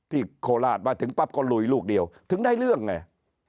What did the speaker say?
โคราชมาถึงปั๊บก็ลุยลูกเดียวถึงได้เรื่องไง